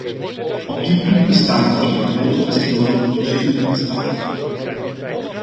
Op dit punt bestaan er echter grote verschillen tussen de lidstaten.